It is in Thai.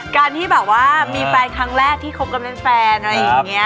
การที่แบบว่ามีแฟนครั้งแรกที่คบกันเป็นแฟนอะไรอย่างนี้